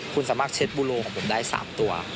คุณสามารถเช็ดบูโลของผมได้๓ตัว